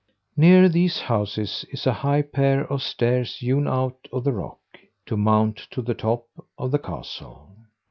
Near these houses is a high pair of stairs hewn out of the rock, to mount to the top of the castle.